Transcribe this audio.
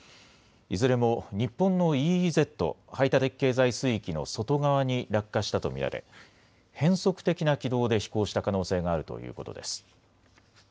いずれも日本のＥＥＺ・排他的経済水域の外側に落下したと見られ変則的な軌道で飛行した可能性があるということです。